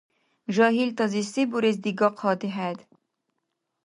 Жагьилтази се бурес дигахъади хӀед?